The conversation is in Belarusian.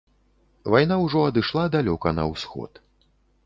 Вайна ўжо адышла далёка на ўсход.